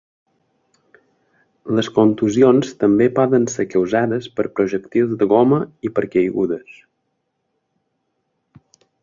Les contusions també poden ser causades per projectils de goma i per caigudes.